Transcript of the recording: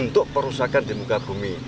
untuk perusakan di muka bumi